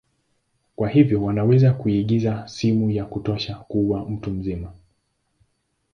Kwa hivyo wanaweza kuingiza sumu ya kutosha kuua mtu mzima.